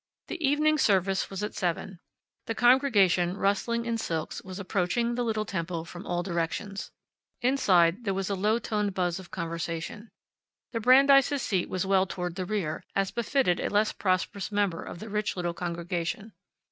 The evening service was at seven. The congregation, rustling in silks, was approaching the little temple from all directions. Inside, there was a low toned buzz of conversation. The Brandeis' seat was well toward the rear, as befitted a less prosperous member of the rich little congregation.